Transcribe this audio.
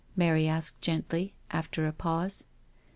*' Mary asked gently, after a pause.